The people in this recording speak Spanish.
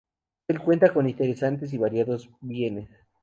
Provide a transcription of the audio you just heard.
El cuenta con interesantes y variados bienes.